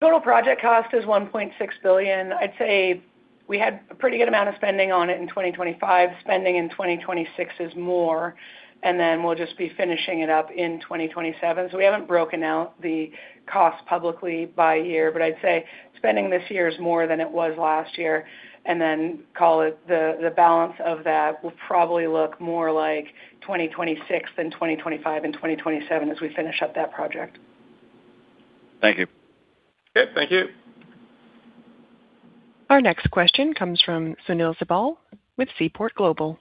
Speaker 5: Total project cost is $1.6 billion. I'd say we had a pretty good amount of spending on it in 2025. Spending in 2026 is more, and then we'll just be finishing it up in 2027. So we haven't broken out the cost publicly by year, but I'd say spending this year is more than it was last year, and then call it the balance of that will probably look more like 2026 than 2025 and 2027 as we finish up that project.
Speaker 19: Thank you.
Speaker 3: Okay, thank you.
Speaker 1: Our next question comes from Sunil Sibal with Seaport Global.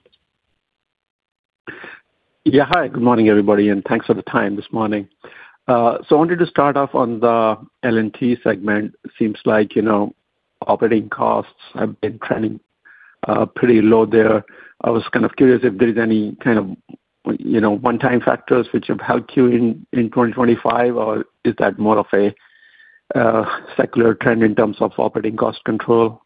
Speaker 21: Yeah, hi, good morning, everybody, and thanks for the time this morning. So I wanted to start off on the L&T segment. Seems like, you know, operating costs have been trending pretty low there. I was kind of curious if there is any kind of, you know, one-time factors which have helped you in 2025, or is that more of a secular trend in terms of operating cost control?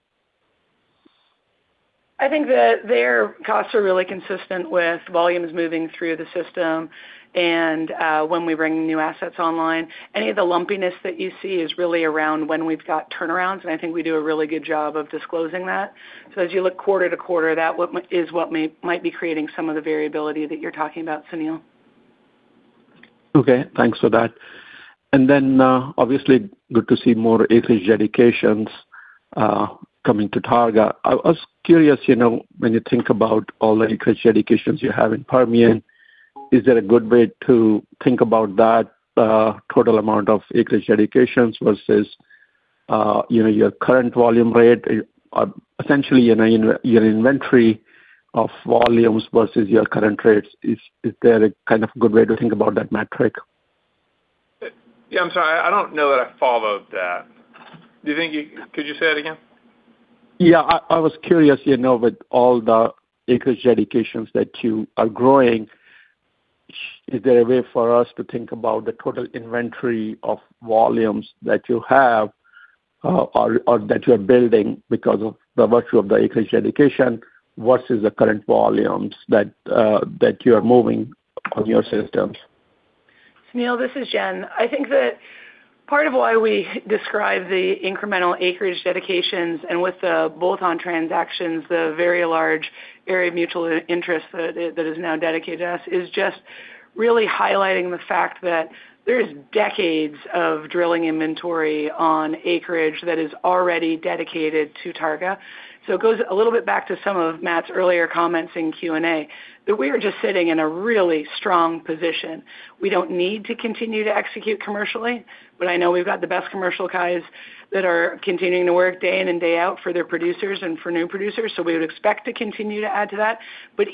Speaker 5: I think that their costs are really consistent with volumes moving through the system and when we bring new assets online. Any of the lumpiness that you see is really around when we've got turnarounds, and I think we do a really good job of disclosing that. So as you look quarter to quarter, that is what may, might be creating some of the variability that you're talking about, Sunil.
Speaker 21: Okay, thanks for that. Then, obviously, good to see more acreage dedications coming to Targa. I was curious, you know, when you think about all the acreage dedications you have in Permian, is there a good way to think about that total amount of acreage dedications versus, you know, your current volume rate, essentially, you know, your inventory of volumes versus your current rates? Is there a kind of good way to think about that metric?
Speaker 3: Yeah, I'm sorry. I don't know that I followed that. Do you think you-- Could you say it again?
Speaker 21: Yeah, I was curious, you know, with all the acreage dedications that you are growing, is there a way for us to think about the total inventory of volumes that you have, or that you are building because of the virtue of the acreage dedication versus the current volumes that you are moving on your systems?
Speaker 5: Sunil, this is Jen. I think that part of why we describe the incremental acreage dedications and with the bolt-on transactions, the very large area of mutual interest that is now dedicated to us, is just really highlighting the fact that there is decades of drilling inventory on acreage that is already dedicated to Targa. So it goes a little bit back to some of Matt's earlier comments in Q&A, that we are just sitting in a really strong position. We don't need to continue to execute commercially, but I know we've got the best commercial guys that are continuing to work day in and day out for their producers and for new producers. So we would expect to continue to add to that.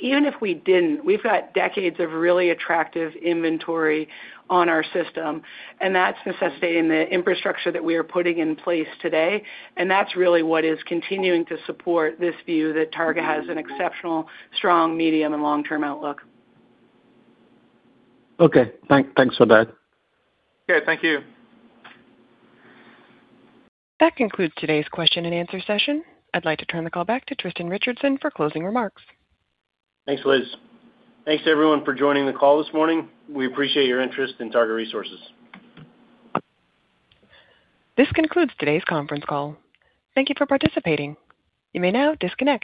Speaker 5: Even if we didn't, we've got decades of really attractive inventory on our system, and that's necessitating the infrastructure that we are putting in place today. That's really what is continuing to support this view that Targa has an exceptional, strong, medium, and long-term outlook.
Speaker 21: Okay. Thanks for that.
Speaker 3: Okay, thank you.
Speaker 1: That concludes today's question and answer session. I'd like to turn the call back to Tristan Richardson for closing remarks.
Speaker 2: Thanks, Liz. Thanks to everyone for joining the call this morning. We appreciate your interest in Targa Resources.
Speaker 1: This concludes today's conference call. Thank you for participating. You may now disconnect.